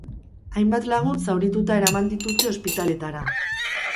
Hainbat lagun zaurituta eraman dituzte, ospitaletara.